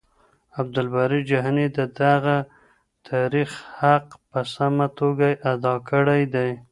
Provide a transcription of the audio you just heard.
عبدالباري جهاني د دغه تاريخ حق په سمه توګه ادا کړی دی.